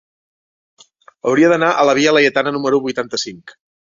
Hauria d'anar a la via Laietana número vuitanta-cinc.